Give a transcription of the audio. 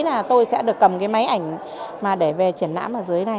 là tôi sẽ được cầm cái máy ảnh mà để về triển lãm ở dưới này